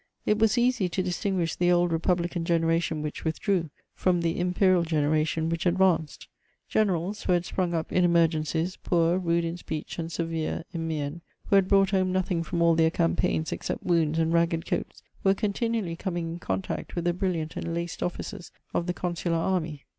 It was easy to distinguish the old republican gene ration which withdrew, from the imperial generation which advanced. Generals— who had sprung up in emergencies, poor, rude in speech, and severe in mien, who had brought home nothing from all their campaigns except wounds and ragged coats — were continually coming in contact with the brilliant and laced officers of the consular army.